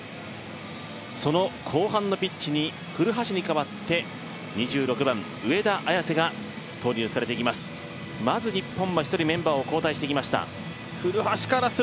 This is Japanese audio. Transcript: その後半のピッチに古橋に代わって２６番・上田綺世が投入されてきます